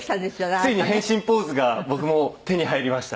ついに変身ポーズが僕も手に入りました。